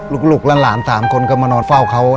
ลูกและหลาน๓คนก็มานอนเฝ้าเขา